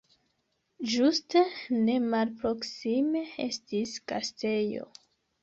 Ĝuste nemalproksime estis gastejo.